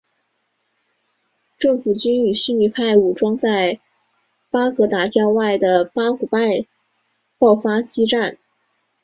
政府军与逊尼派武装在巴格达郊外的巴古拜爆发激战。